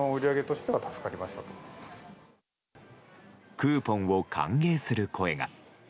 クーポンを歓迎する声が。